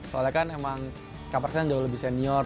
soalnya kan emang kak pras kan jauh lebih senior